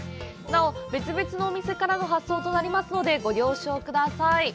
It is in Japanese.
なお、別々のお店からの発送となりますのでご了承ください。